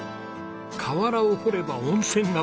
河原を掘れば温泉が湧き出る町。